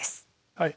はい。